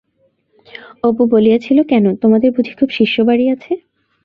অপু বলিয়াছিল-কেন, তোমাদের বুঝি খুব শিষ্য-বাড়ি আছে?